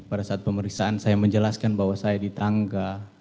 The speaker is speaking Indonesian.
pada saat pemeriksaan saya menjelaskan bahwa saya di tangga